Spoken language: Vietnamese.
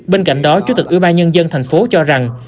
bên cạnh đó chủ tịch ủy ban nhân dân thành phố cho rằng